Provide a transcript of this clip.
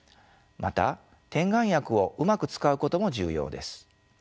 また点眼薬をうまく使うことも重要です。